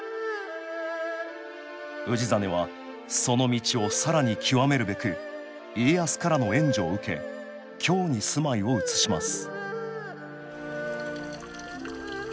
氏真はその道を更に究めるべく家康からの援助を受け京に住まいを移します